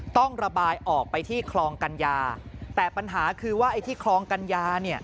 ต้องระบายออกไปที่คลองกัญญาแต่ปัญหาคือว่าไอ้ที่คลองกัญญาเนี่ย